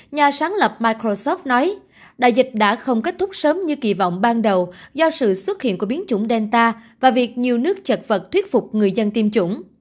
nhà sáng lập microsoft nói đại dịch đã không kết thúc sớm như kỳ vọng ban đầu do sự xuất hiện của biến chủng delta và việc nhiều nước chật vật thuyết phục người dân tiêm chủng